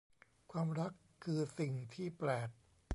ความรักคือสิ่งที่แปลก